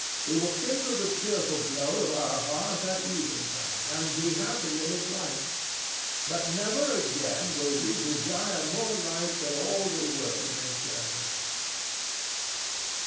We will kindle the cheerful glow of our hearth at eventide and be happy in its light. But never again will we desire more light than all the world may share with us."